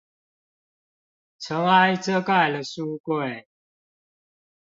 塵埃遮蓋了書櫃